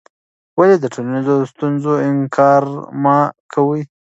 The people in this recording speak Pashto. ولې د ټولنیزو ستونزو انکار مه کوې؟